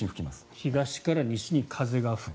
東から西に風が吹く。